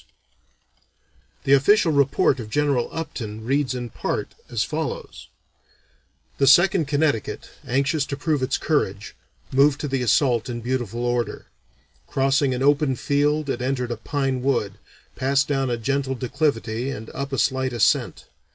[Illustration: The first battle] The official report of General Upton reads in part as follows: "The Second Connecticut, anxious to prove its courage, moved to the assault in beautiful order. Crossing an open field it entered a pine wood, passed down a gentle declivity and up a slight ascent.